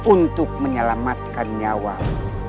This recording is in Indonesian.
untuk menyelamatkan nyawamu